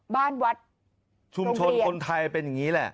บ้านวัดชุมชนคนไทยเป็นอย่างนี้แหละ